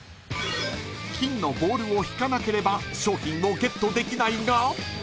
［金のボールを引かなければ商品をゲットできないが］